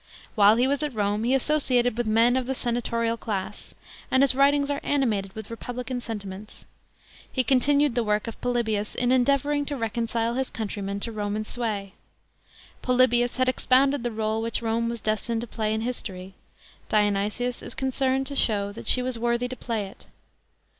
While he was at Rome he associated with men of the senatorial class, and his writings are animated with republican sentiments. He continued the work of Polybius in endeavouring to reconcile his countrymen to Roman sway. Polybius had expounded the rdle which Rome was destined to play in history ; Dionysius is con cerned to show that she was worthy to play it.